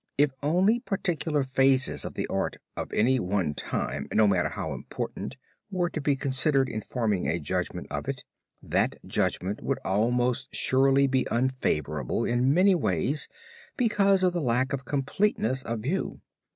If only particular phases of the art of any one time, no matter how important, were to be considered in forming a judgment of it, that judgment would almost surely be unfavorable in many ways because of the lack of completeness of view.